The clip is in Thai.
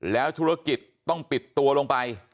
แล้วธุรกิจต้องปิดตัวลงไป